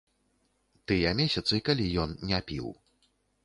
Тыя месяцы, калі ён не піў.